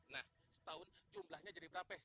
nah setahun jumlahnya jadi berapa ya